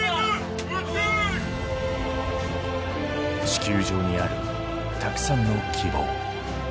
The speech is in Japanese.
地球上にある、たくさんの希望。